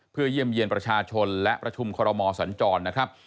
เพื่อเยี่ยมเยี่ยนประชาชนและประชุมคอรมอสัญจรนะครับ